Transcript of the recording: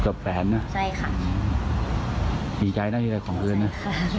กับแปนน่ะใช่ค่ะดีใจน่ะที่ได้ของเพื่อนน่ะใช่ค่ะ